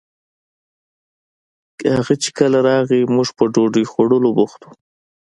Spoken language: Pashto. هغه چې کله راغئ موږ په ډوډۍ خوړولو بوخت وو